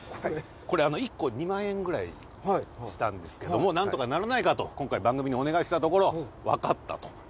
これ１個２万円ぐらいしたんですけども何とかならないかと今回番組にお願いしたところ「分かった」と。